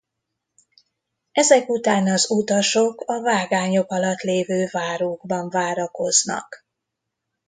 Ezek után az utasok a vágányok alatt lévő várókban várakoznak.